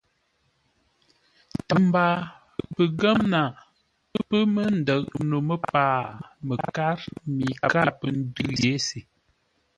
Tə mbaa pəngə́mnaa pə́ mə́ ndə̂ʼ no məpaa məkár mi káa pə́ ndʉ̂ yé se.